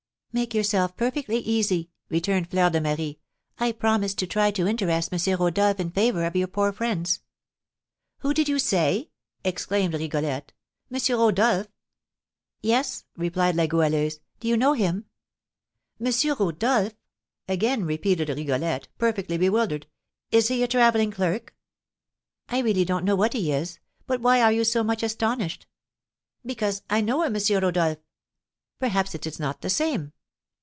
"Make yourself perfectly easy," returned Fleur de Marie; "I promise to try to interest M. Rodolph in favour of your poor friends." "Who did you say?" exclaimed Rigolette, "M. Rodolph?" "Yes," replied La Goualeuse; "do you know him?" "M. Rodolph?" again repeated Rigolette, perfectly bewildered; "is he a travelling clerk?" "I really don't know what he is. But why are you so much astonished?" "Because I know a M. Rodolph!" "Perhaps it is not the same."